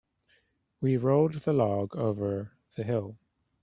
We rolled the log over the hill.